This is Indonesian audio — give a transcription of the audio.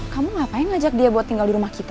kamu ngapain ajak dia buat tinggal di rumah kita